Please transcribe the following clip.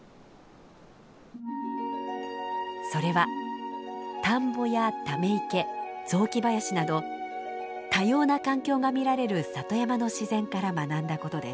それは田んぼやため池雑木林など多様な環境が見られる里山の自然から学んだことです。